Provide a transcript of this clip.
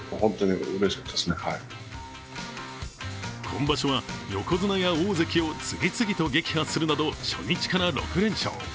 今場所は横綱や大関を次々と撃破するなど初日から６連勝。